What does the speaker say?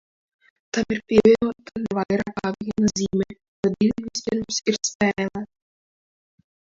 Tam ir pievienota ne vairāk kā viena zīme, jo divi vispirms ir spēle.